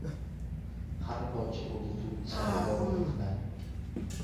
Har toycha o'zi suv ichgan bulog'ini maqtar.